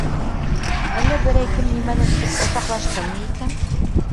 Әллә берәй кем нимәлер тип ошаҡлаштымы икән?